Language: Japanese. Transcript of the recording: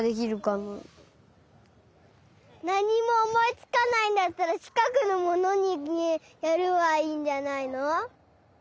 なにもおもいつかないんだったらちかくのものにやればいいんじゃないの？